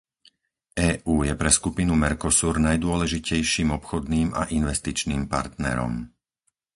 EÚ je pre skupinu Mercosur najdôležitejším obchodným a investičným partnerom.